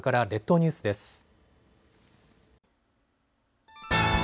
列島ニュースです。